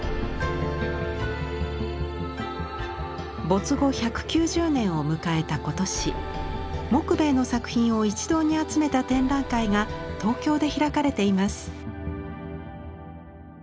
没後１９０年を迎えた今年木米の作品を一堂に集めた展覧会が東京で開かれています。